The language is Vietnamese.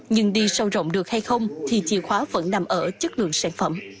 nhưng đi sâu rộng được hay không thì chìa khóa vẫn nằm ở chất lượng sản phẩm